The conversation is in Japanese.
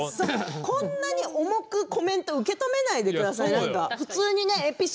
そんなに重くコメントを受け止めないでください。